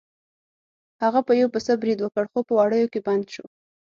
هغه په یو پسه برید وکړ خو په وړیو کې بند شو.